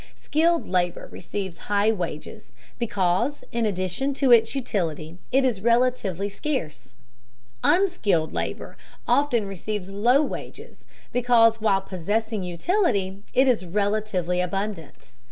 Skilled labor receives high wages because in addition to its utility it is relatively scarce; unskilled labor often receives low wages because while possessing utility it is relatively abundant.